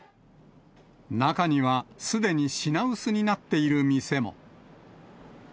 中にはすでに品薄になっている店も。